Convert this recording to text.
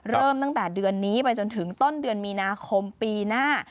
เริ่มตั้งแต่เดือนนี้ไปจนถึงต้นเดือนมีนาคมปีหน้า